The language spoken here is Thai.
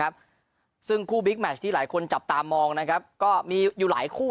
ครับซึ่งคู่บิ๊กแมชที่หลายคนจับตามองนะครับก็มีอยู่หลายคู่